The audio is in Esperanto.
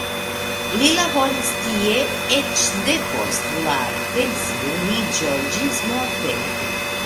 Li laboris tie eĉ depost la pensiuliĝo ĝismorte.